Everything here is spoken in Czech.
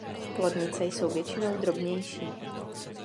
Plodnice jsou většinou drobnější.